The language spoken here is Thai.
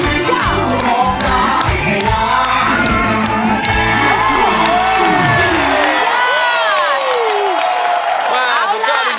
สุดยอดจริงสุดยอด